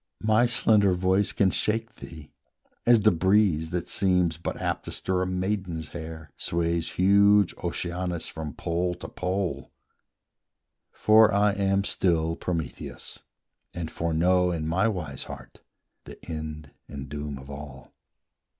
My slender voice can shake thee, as the breeze, That seems but apt to stir a maiden's hair, Sways huge Oceanus from pole to pole: For I am still Prometheus, and foreknow In my wise heart the end and doom of all.